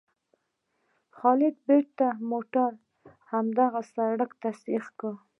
خالد بېرته موټر هماغه سړک ته سیخ کړ.